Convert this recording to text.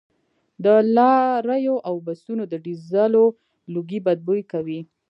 د لاریو او بسونو د ډیزلو لوګي بد بوی کوي